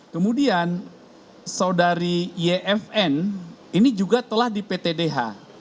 kemudian saudari yfn ini juga telah di ptdh